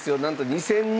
２，０００人⁉